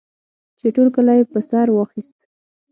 چې ټول کلی یې په سر واخیست.